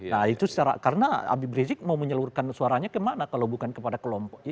nah itu karena abib rizik mau menyeluruhkan suaranya kemana kalau bukan kepada kelompok